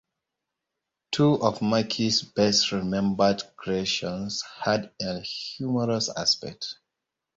Two of Mackie's best-remembered creations had a humorous aspect.